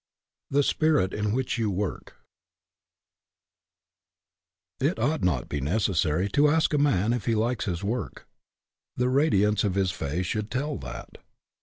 THE SPIRIT IN WHICH YOU WORK 3|T ought not to be necessary to ask a man if he likes his work. The radiance of his face should tell that.